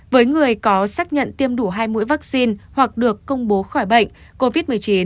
với người có xác nhận tiêm đủ hai mũi vaccine hoặc được công bố khỏi bệnh covid một mươi chín